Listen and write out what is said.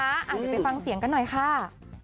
เดี๋ยวไปฟังเสียงกันหน่อยค่ะ